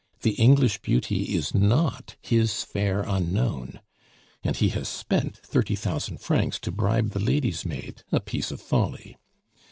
The English beauty is not his fair unknown! And he has spent thirty thousand francs to bribe the lady's maid, a piece of folly!